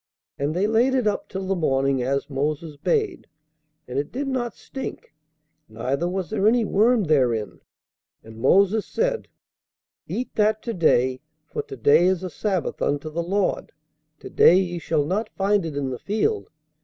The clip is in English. And they laid it up till the morning, as Moses bade; and it did not stink, neither was there any worm therein. And Moses said, Eat that to day; for to day is a sabbath unto the Lord: to day ye shall not find it in the field.